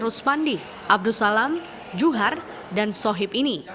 ruspandi abdusalam juhar dan sohib ini